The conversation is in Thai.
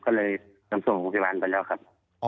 ก็เลยนำส่งโรงพยาบาลไปแล้วครับ